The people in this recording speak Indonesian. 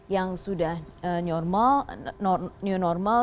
yang sudah new normal